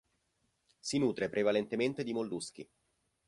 Si nutre prevalentemente di molluschi.